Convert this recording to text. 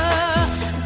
mà lựa khách